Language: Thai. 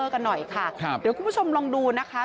กันหน่อยข้างเดี๋ยวทุกมุชมลองดูนะคะ